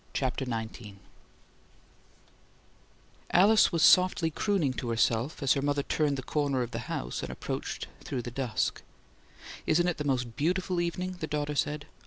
CHAPTER XIX Alice was softly crooning to herself as her mother turned the corner of the house and approached through the dusk. "Isn't it the most BEAUTIFUL evening!" the daughter said.